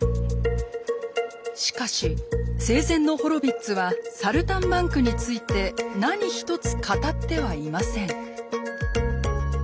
しかし生前のホロヴィッツは「サルタンバンク」について何一つ語ってはいません。